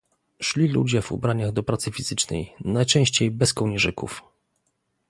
"Szli ludzie w ubraniach do pracy fizycznej, najczęściej bez kołnierzyków."